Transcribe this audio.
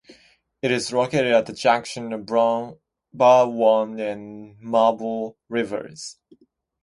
It is located at the junction of the Barwon and Moorabool rivers.